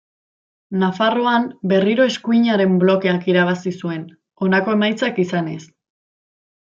Nafarroan berriro Eskuinaren blokeak irabazi zuen, honako emaitzak izanez.